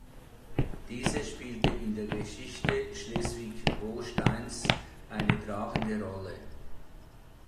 Diese spielte in der Geschichte Schleswig-Holsteins eine tragende Rolle.